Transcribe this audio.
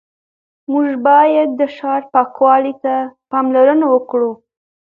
موږ باید د ښار پاکوالي ته پاملرنه وکړو